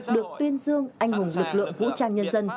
được tuyên dương anh hùng lực lượng vũ trang nhân dân